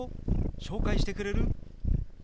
紹介してくれる？